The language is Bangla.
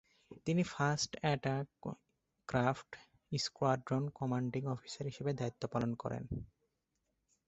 তিনি ফাস্ট অ্যাটাক ক্রাফট স্কোয়াড্রনের কমান্ডিং অফিসার হিসেবে দায়িত্ব পালন করেন।